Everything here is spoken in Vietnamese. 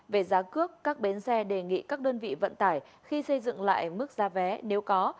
về giá cước các bến xe đề nghị các đơn vị vận tải khi xây dựng lại mức giá vé nếu có